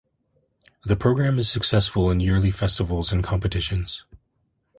The program is successful in yearly festivals and competitions.